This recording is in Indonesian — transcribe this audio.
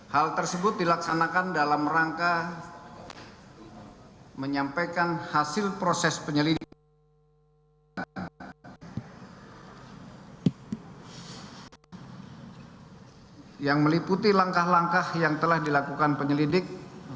hal tersebut dilaksanakan dalam rangka menyampaikan hasil proses penyelidikan yang meliputi langkah langkah yang telah dilakukan penyelidik